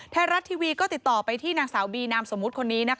ไทยรัฐทีวีก็ติดต่อไปที่นางสาวบีนามสมมุติคนนี้